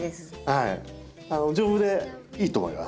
はい。